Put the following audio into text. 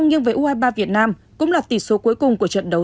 nhưng với u hai mươi ba việt nam cũng là tỷ số cuối cùng của trận đấu